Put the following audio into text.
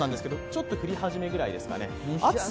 ちょっと降り始めぐらいですかね。